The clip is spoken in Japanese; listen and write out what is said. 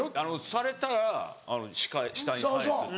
されたら下に返すって。